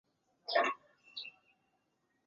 锯齿沙参为桔梗科沙参属的植物。